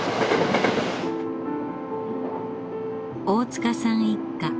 大塚さん一家。